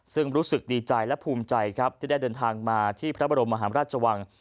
ซึ่งรู้สึกดีใจและภูมิใจครับที่ได้เดินทางมาที่พระบรมมหาราชวัง